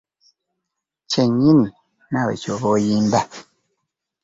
Kye nnyimba naawe ky'oba oyimba.